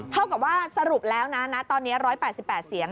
เท่ากับว่าสรุปแล้วนะตอนนี้๑๘๘เสียง